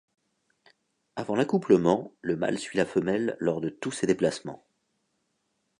Avant l'accouplement, le mâle suit la femelle lors de tous ses déplacements.